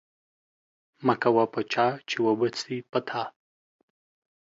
مکوه په چا چی و به سی په تا